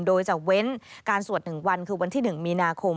โดยจะเว้นการสวด๑วันคือวันที่๑มีนาคม